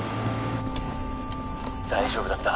☎大丈夫だった？